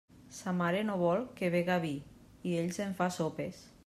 Sa mare no vol que bega vi i ell se'n fa sopes.